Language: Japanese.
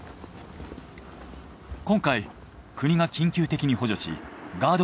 今回国が緊急的に補助しガード